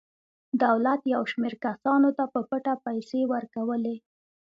دولت یو شمېر کسانو ته په پټه پیسې ورکولې.